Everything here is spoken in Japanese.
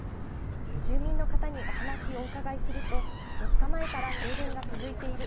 住民の方にお話をお伺いすると、４日前から停電が続いている。